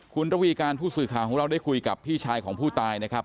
คุณระวีการผู้สื่อข่าวของเราได้คุยกับพี่ชายของผู้ตายนะครับ